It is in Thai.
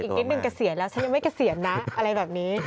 อีกนิดนึงเกษียณแล้วฉันยังไม่เกษียณนะอะไรแบบนี้